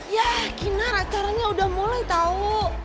yah kinar acaranya udah mulai tau